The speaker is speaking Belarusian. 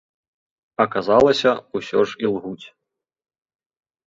Аказалася, усё ж ілгуць.